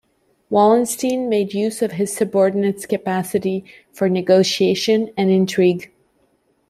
Wallenstein made use of his subordinate's capacity for negotiation and intrigue.